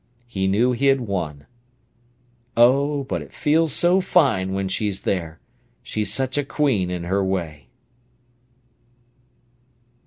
He knew he had won. "Oh, but it feels so fine, when she's there! She's such a queen in her way."